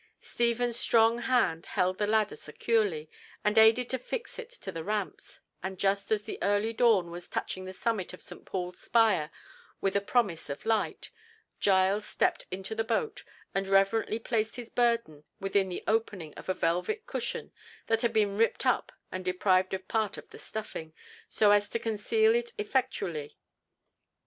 Stephen's strong hand held the ladder securely and aided to fix it to the ramps, and just as the early dawn was touching the summit of St. Paul's spire with a promise of light, Giles stepped into the boat, and reverently placed his burden within the opening of a velvet cushion that had been ripped up and deprived of part of the stuffing, so as to conceal it effectually.